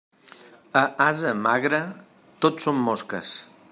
A ase magre, tot són mosques.